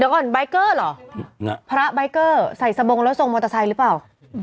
เดี๋ยวก่อนใบเกอร์เหรอพระใบเกอร์ใส่สบงแล้วทรงมอเตอร์ไซค์หรือเปล่า